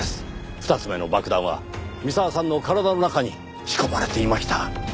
２つ目の爆弾は三沢さんの体の中に仕込まれていました。